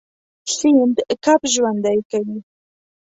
سیند کب ژوندی کوي.